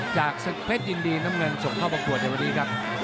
จากสเผ็ดยินดียนส์น้ำเงินสมเข้าประกวดอย่างวันนี้ครับ